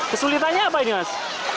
kesulitannya apa ini mas